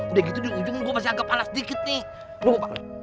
udah gitu di ujung gue masih agak panas dikit nih lumpuh banget